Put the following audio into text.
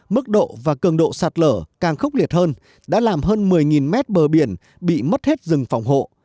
mức độ và cường độ sạt lở càng khốc liệt hơn đã làm hơn một mươi mét bờ biển bị mất hết rừng phòng hộ